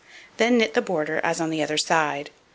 Then knit the border, as on the other side.